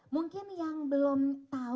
mungkin yang belum tahu